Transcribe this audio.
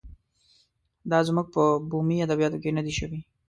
دا زموږ په بومي ادبیاتو کې نه دی شوی.